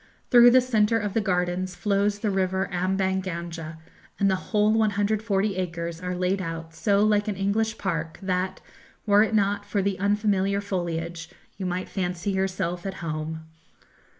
Through the centre of the gardens flows the river Ambang Ganga, and the whole 140 acres are laid out so like an English park that, were it not for the unfamiliar foliage, you might fancy yourself at home.